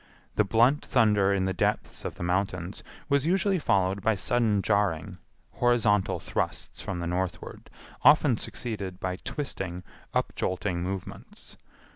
The blunt thunder in the depths of the mountains was usually followed by sudden jarring, horizontal thrusts from the northward, often succeeded by twisting, upjolting movements.